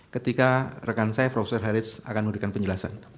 ketika rekan saya profesor haritz akan memberikan penjelasan